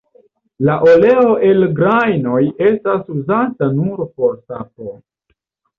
La oleo el la grajnoj estas uzata nur por sapo.